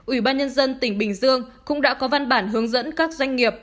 ủy ban nhân dân tỉnh bình dương cũng đã có văn bản hướng dẫn các doanh nghiệp